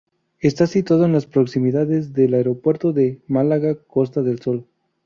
Está situado en las proximidades del Aeropuerto de Málaga-Costa del Sol.